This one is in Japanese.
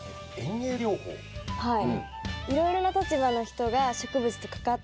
はい。